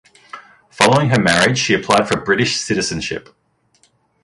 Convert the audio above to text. Following her marriage she applied for British citizenship.